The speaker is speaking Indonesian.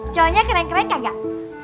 cowoknya keren keren kagak